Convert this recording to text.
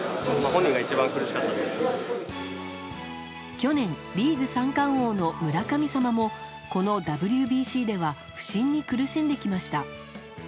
去年、リーグ三冠王の村神様もこのＷＢＣでは不振に苦しんできました。